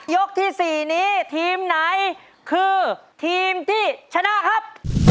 ที่๔นี้ทีมไหนคือทีมที่ชนะครับ